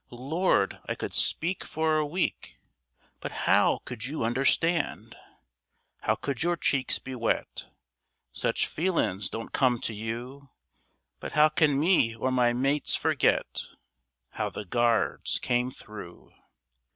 Lord! I could speak for a week, But how could you understand? How could your cheeks be wet? Such feelin's don't come to you; But how can me or my mates forget How the Guards came through?